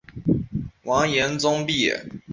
完颜宗弼。